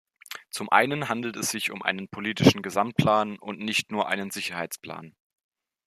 Zum einen handelt es sich um einen politischen Gesamtplan und nicht nur einen Sicherheitsplan.